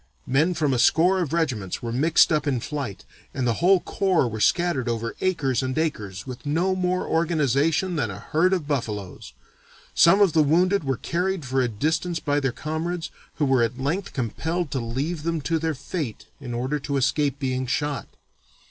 Men from a score of regiments were mixed up in flight, and the whole corps was scattered over acres and acres with no more organization than a herd of buffaloes. Some of the wounded were carried for a distance by their comrades, who were at length compelled to leave them to their fate in order to escape being shot.